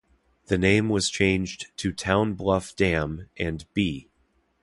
The name was changed to Town Bluff Dam and B.